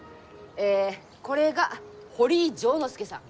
えこれが堀井丈之助さん。